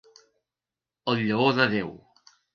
El lleó de Déu.